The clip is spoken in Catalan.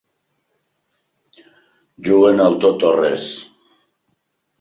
Juguen al tot o res.